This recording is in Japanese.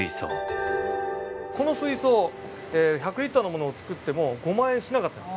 この水槽１００リッターのものを作っても５万円しなかったの。